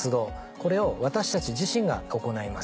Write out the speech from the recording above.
これを私たち自身が行います。